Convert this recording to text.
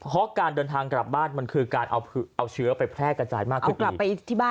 เพราะการเดินทางกลับบ้านมันคือการเอาเชื้อไปแพร่กระจายมากขึ้นกลับไปที่บ้าน